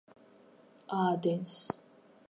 აადენს